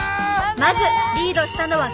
まずリードしたのはきわさん！